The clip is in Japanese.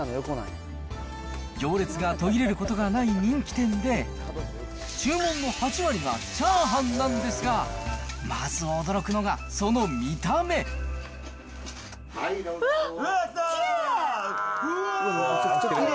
行列が途切れることがない人気店で、注文の８割がチャーハンなんですが、まず驚くのが、はい、どうぞ。